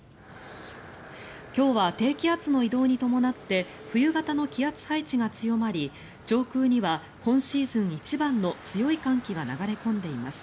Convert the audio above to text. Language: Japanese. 今日は低気圧の移動に伴って冬型の気圧配置が強まり上空には今シーズン一番の強い寒気が流れ込んでいます。